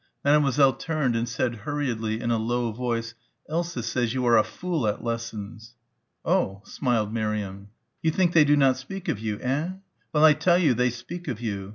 Mademoiselle turned and said hurriedly in a low voice. "Elsa says you are a fool at lessons." "Oh," smiled Miriam. "You think they do not speak of you, hein? Well, I tell you they speak of you.